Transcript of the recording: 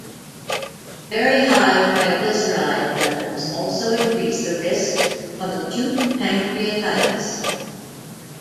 Very high triglyceride levels also increase the risk of acute pancreatitis.